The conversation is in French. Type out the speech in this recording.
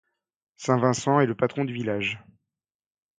Saint Vincent est le patron du village.